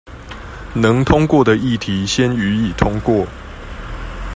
能通過的議題先予以通過